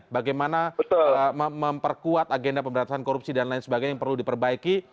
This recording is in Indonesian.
bagaimana memperkuat agenda pemberantasan korupsi dan lain sebagainya yang perlu diperbaiki